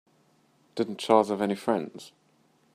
Didn't Charles have any friends?